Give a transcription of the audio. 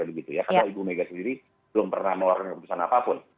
karena ibu megawati sendiri belum pernah melakukan keputusan apapun